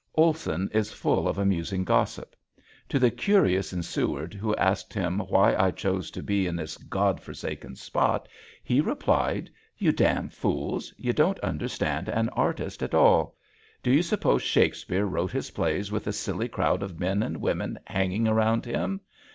Olson is full of amusing gossip. To the curious in Seward who asked him why I chose to be in this God forsaken spot he replied: "You damn fools, you don't understand an artist at all. Do you suppose Shakespeare wrote his plays with a silly crowd of men and women hanging around him?